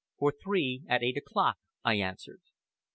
"For three, at eight o'clock," I answered.